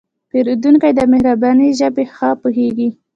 پیرودونکی د مهربانۍ ژبه ښه پوهېږي.